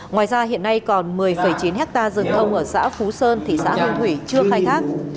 ngoài ra hiện nay còn một mươi chín hectare rừng thông ở xã phú sơn thị xã hương thủy chưa khai thác